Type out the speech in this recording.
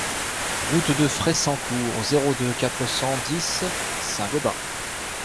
Route de Fressancourt, zéro deux, quatre cent dix Saint-Gobain